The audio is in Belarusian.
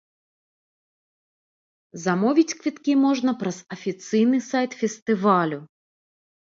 Замовіць квіткі можна праз афіцыйны сайт фестывалю.